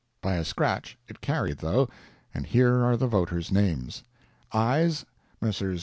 By a scratch it carried, though, and here are the voters' names: AYES—Messrs.